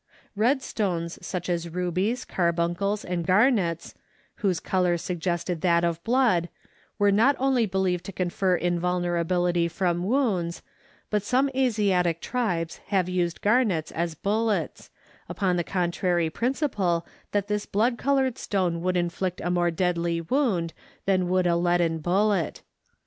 Red stones such as rubies, carbuncles, and garnets, whose color suggested that of blood, were not only believed to confer invulnerability from wounds, but some Asiatic tribes have used garnets as bullets, upon the contrary principle that this blood colored stone would inflict a more deadly wound than would a leaden bullet.